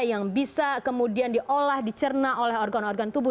yang bisa kemudian diolah dicerna oleh organ organ tubuh